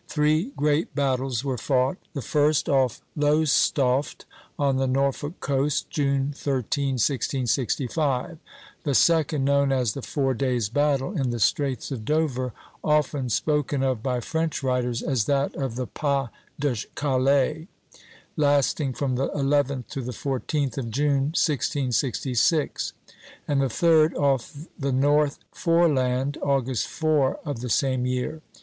Three great battles were fought, the first off Lowestoft, on the Norfolk coast, June 13, 1665; the second, known as the Four Days' Battle in the Straits of Dover, often spoken of by French writers as that of the Pas de Calais, lasting from the 11th to the 14th of June, 1666; and the third, off the North Foreland, August 4 of the same year.